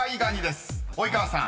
［及川さん